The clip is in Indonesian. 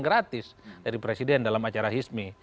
gratis dari presiden dalam acara hizmi